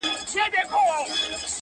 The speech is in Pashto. • لوستونکي پرې فکر کوي ډېر,